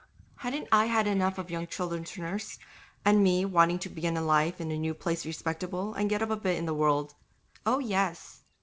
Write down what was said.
Hadn't I had enough of young children to nurse, and me wanting to begin life in a new place respectable, and get up a bit in the world? Oh, yes!